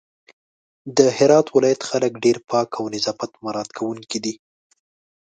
د هرات ولايت خلک ډېر پاک او نظافت مرعت کونکي دي